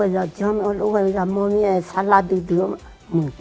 ย่าสงสัยเจอแป้ง